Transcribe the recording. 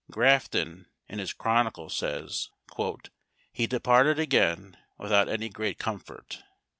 Grafton, in his Chronicle, says, "he departed again without any great comfort."